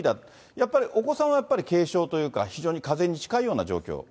やっぱりお子さんはやっぱり軽症というか、非常にかぜに近いような状況？